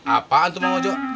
apaan tuh mau jo